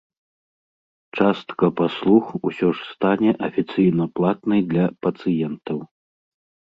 Частка паслуг усё ж стане афіцыйна платнай для пацыентаў.